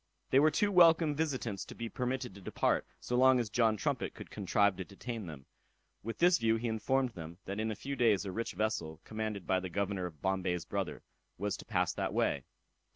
They were too welcome visitants to be permitted to depart, so long as John Trumpet could contrive to detain them. With this view he informed them, that in a few days a rich vessel, commanded by the Governor of Bombay's brother, was to pass that way.